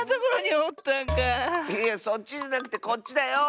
そっちじゃなくてこっちだよ！